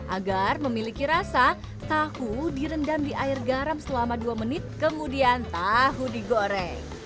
agar memiliki rasa tahu direndam di air garam selama dua menit kemudian tahu digoreng